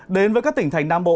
đến với các tỉnh thành nam bộ